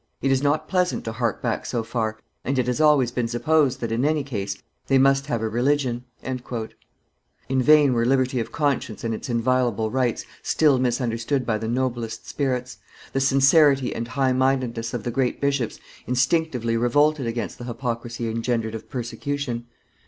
It is not pleasant to hark back so far, and it has always been supposed that, in any case, they must have a religion." In vain were liberty of conscience and its inviolable rights still misunderstood by the noblest spirits, the sincerity and high mindedness of the great bishops instinctively revolted against the hypocrisy engendered of persecution.